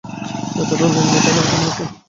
এটারও লোন মেটানো এখনো বাকি।